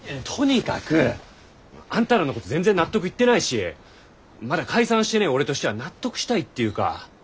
とにかくあんたらのこと全然納得いってないしまだ解散してねぇ俺としては納得したいっていうか。